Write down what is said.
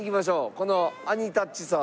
このアニタッチさん。